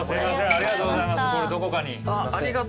ありがとうございます。